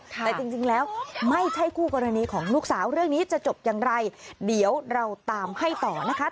แต่จริงแล้วไม่ใช่คู่กรณีของลูกสาวเรื่องนี้จะจบอย่างไรเดี๋ยวเราตามให้ต่อนะคะ